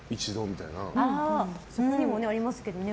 ぽいにもありますけどね。